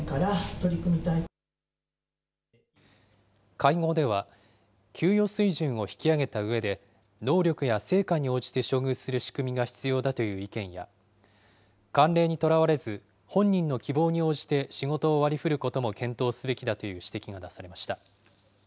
会合では、給与水準を引き上げたうえで、能力や成果に応じて処遇する仕組みが必要だという意見や、慣例にとらわれず、本人の希望に応じて仕事を割り振ることも検討すべきだという指摘が出されました。